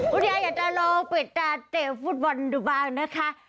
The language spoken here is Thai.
คุณยายอยากจะลองปิดตาเตะฟุตบอลดูบ้างนะคะ